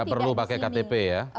tidak perlu pakai ktp ya